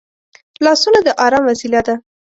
لاسونه د ارام وسیله ده